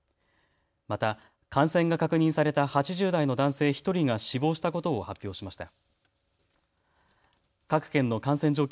また感染が確認された８０代の男性１人が死亡したことを発表しました。